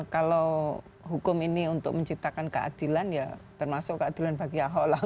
kalau hukum ini untuk menciptakan keadilan ya termasuk keadilan bagi ahok lah